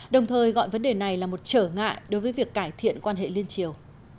đồng thời gọi vấn đề này là một trở ngại đối với việc cải thiện quan hệ liên triều